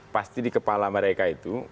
pasti di kepala mereka itu